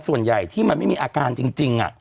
ส่วนใหญ่ที่มันไม่มีอาการจริง